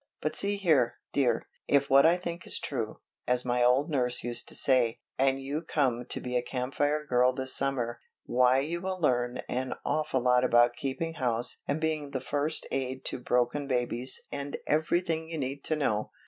But see here, dear, if what I thinks is true, as my old nurse used to say, and you come to be a Camp Fire girl this summer, why you will learn an awful lot about keeping house and being first aid to broken babies and everything you need to know.